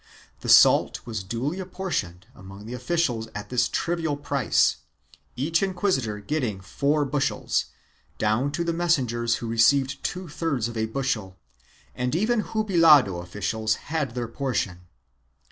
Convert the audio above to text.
The salt was duly apportioned among the officials at this trivial price, each inquisitor getting four bushels, down to the messengers who received two thirds of a bushel, and even jubilado officials had their portion.